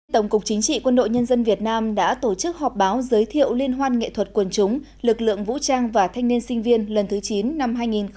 tổng cục chính trị quân đội nhân dân việt nam đã tổ chức họp báo giới thiệu liên hoan nghệ thuật quần chúng lực lượng vũ trang và thanh niên sinh viên lần thứ chín năm hai nghìn một mươi chín